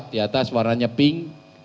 lima empat di atas warnanya pink